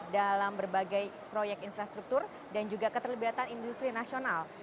dalam berbagai proyek infrastruktur dan juga keterlibatan industri nasional